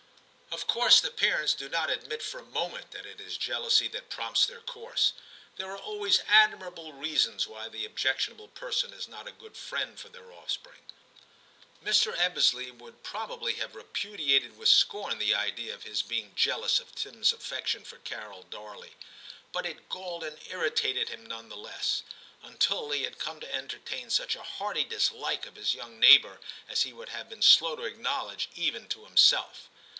Of course the parents do 202 TIM CHAP. not admit for a moment that it is jealousy that prompts their course ; there are always admirable reasons why the objectionable person is not a good friend for their off spring. Mr. Ebbesley would probably have repudiated with scorn the idea of his being jealous of Tim s affection for Carol Darley, but it galled and irritated him none the less ; until he had come to entertain such a hearty dislike of his young neighbour as he would have been slow to acknowledge even to himself.